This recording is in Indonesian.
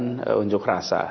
kegiatan unjuk rasa